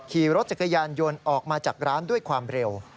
ขี่รถจักรยานยนต์ออกมาจากร้านด้วยความเร็ว